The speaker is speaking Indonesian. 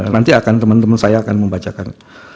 nanti akan teman teman saya akan membacakan